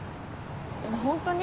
ホントに？